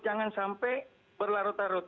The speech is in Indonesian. jangan sampai berlarut larut